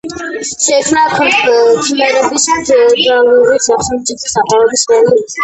შეიქმნა ქმერების ფეოდალური სახელმწიფოს აყვავების პერიოდში.